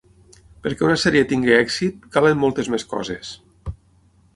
Perquè una sèrie tingui èxit, calen moltes més coses.